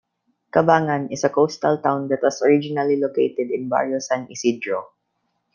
Cabangan is a coastal town that was originally located in Barrio San Isidro.